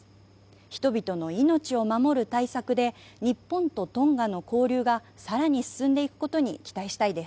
人々の命を守る対策で日本とトンガの交流がさらに進んでいくことに期待したいです。